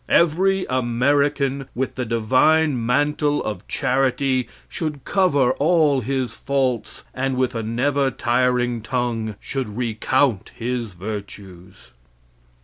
Every American, with the divine mantle of charity, should cover all his faults, and with a never tiring tongue should recount his virtues.